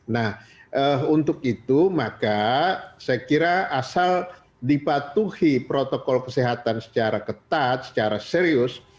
nah untuk itu maka saya kira asal dipatuhi protokol kesehatan secara ketat secara serius